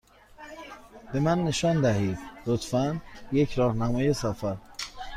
به من نشان دهید، لطفا، یک راهنمای سفر.